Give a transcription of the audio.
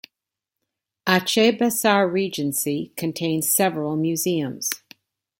Aceh Besar Regency contains several museums.